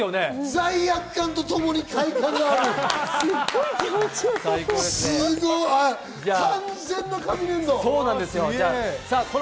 罪悪感とともに快感がある。